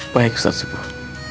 baik ustaz subuh